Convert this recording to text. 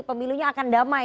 pemilunya akan damai